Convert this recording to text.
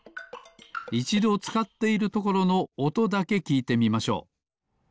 いちどつかっているところのおとだけきいてみましょう。